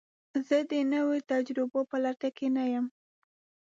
زه د نوو تجربو په لټه کې نه یم.